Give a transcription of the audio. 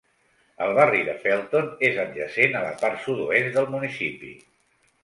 El barri de Felton és adjacent a la part sud-oest del municipi.